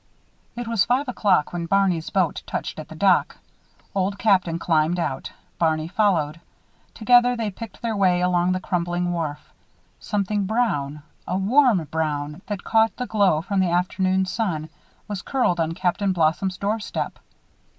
It was five o'clock when Barney's boat touched at the dock. Old Captain climbed out. Barney followed. Together they picked their way along the crumbling wharf. Something brown a warm brown that caught the glow from the afternoon sun was curled on Captain Blossom's doorstep.